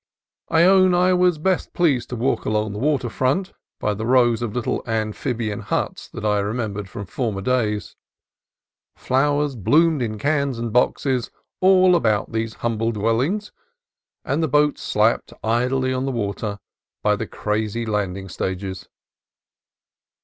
I own I was best pleased to walk along the water front by the rows of little amphibian huts that I remembered from former days. Flowers bloomed in cans and boxes all about these humble dwellings, and boats slapped idly on the water by the crazy landing stages.